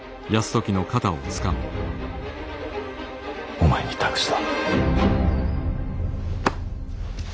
お前に託した。